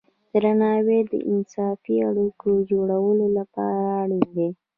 درناوی د انصافی اړیکو جوړولو لپاره اړین دی.